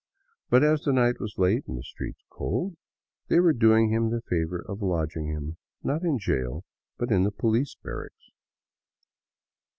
But as the night was late and the streets cold, they were doing him the favor of lodging him, not in jail, but in the poHce barracks.